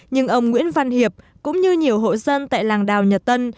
nhưng ông nguyễn văn hiệp cũng như nhiều hộ dân tại làng đào nhật tân